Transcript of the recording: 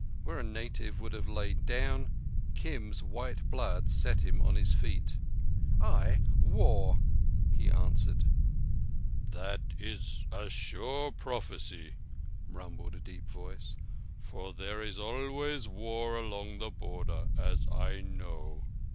Where a native would have lain down, Kim's white blood set him upon his feet. "Ay, War," he answered. "That is a sure prophecy," rumbled a deep voice. "For there is always war along the Border—as I know."